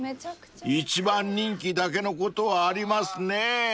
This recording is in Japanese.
［一番人気だけのことはありますね］